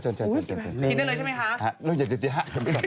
กินได้เลยใช่ไหมคะ